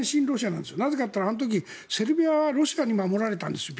なんでかっていったらセルビアはロシアに守られたんですよ。